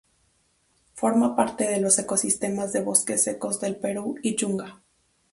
Forma parte de los ecosistemas de bosques secos del Perú y Yunga.